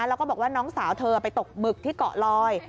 แล้วก็บอกว่าน้องสาวเธอไปตกหมึกที่เกาะลอย